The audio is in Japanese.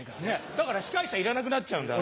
だから司会者いらなくなっちゃうんだよね。